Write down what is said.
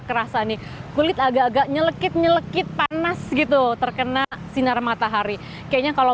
kerasa nih kulit agak agak nyelekit nyelekit panas gitu terkena sinar matahari kayaknya kalau